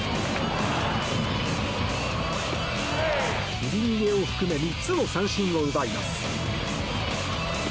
振り逃げを含め３つの三振を奪います。